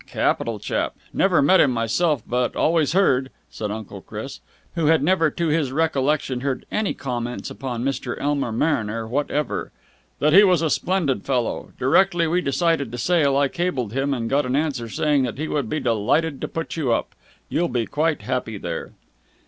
Capital chap! Never met him myself, but always heard," said Uncle Chris, who had never to his recollection heard any comments upon Mr. Elmer Mariner whatever, "that he was a splendid fellow. Directly we decided to sail, I cabled to him, and got an answer saying that he would be delighted to put you up. You'll be quite happy there."